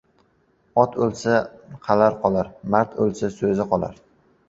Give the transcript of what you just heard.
• Ot o‘lsa ― dala qolar, mard o‘lsa ― so‘zi qolar.